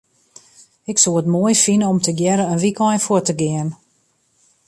Ik soe it moai fine om tegearre in wykein fuort te gean.